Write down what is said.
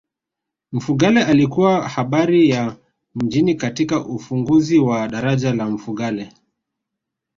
mfugale alikuwa habari ya mjini katika ufunguzi wa daraja la mfugale